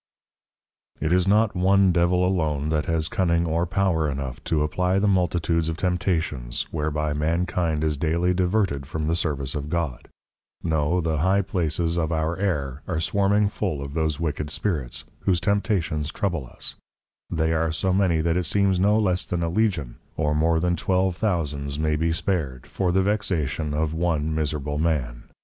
It is not One Devil alone, that has Cunning or Power enough to apply the Multitudes of Temptations, whereby Mankind is daily diverted from the Service of God; No, the High Places of Our Air, are Swarming full of those Wicked Spirits, whose Temptations trouble us; they are so many, that it seems no less than a Legion, or more than twelve thousands may be spared, for the Vexation of one miserable man.